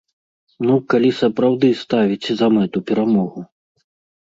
Ну, калі сапраўды ставіць за мэту перамогу?